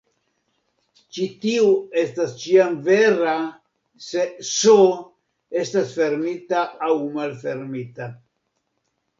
Ĉi tiu estas ĉiam vera se "S" estas fermita aŭ malfermita.